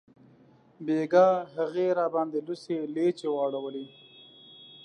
بیګاه هغې راباندې لوڅې لیچې واړولې